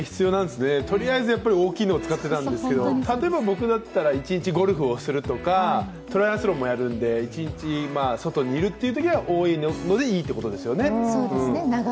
とりあえず大きいのを使っていたんですけど、例えば僕だったら一日ゴルフをするとか、トライアスロンもするので一日外にいるというときは多いのでいいということですね。